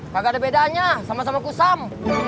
kagak ada bedanya sama sama kusam